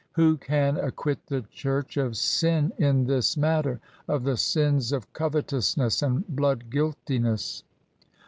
"Who can acquit the church of sin in this matter? of the sins of covetousness and blood guiltiness